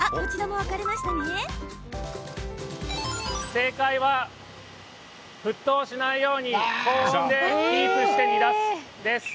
正解は、沸騰しないように高温でキープして煮出すです。